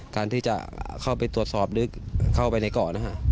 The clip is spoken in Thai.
การที่จะเข้าไปตรวจสอบลึกเข้าไปในเกาะนะฮะ